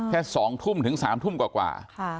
แค่สองทุ่มถึงสามทุ่มกว่ากว่า